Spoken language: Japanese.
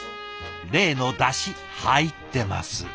例のだし入ってます。